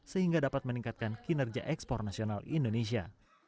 sehingga dapat meningkatkan kinerja ekspor nasional indonesia